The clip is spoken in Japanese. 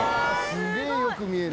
すげえよく見える。